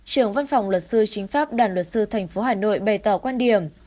trưởng văn phòng luật sư chính pháp đoàn luật sư tp hà nội bày tỏ quan điểm